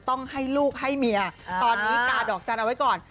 ต้องให้ลูกให้เมียตอนนี้กาดอกจันทร์เอาไว้ก่อน